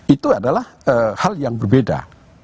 itu adalah hal yang berbeda